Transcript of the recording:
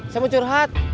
saya mau curhat